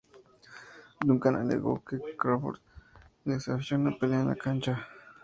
Duncan alegó que Crawford le desafió a una pelea en la cancha.